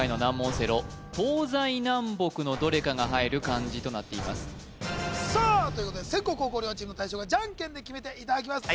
オセロ東西南北のどれかが入る漢字となっていますさあということで先攻・後攻両チームの大将がジャンケンで決めていただきます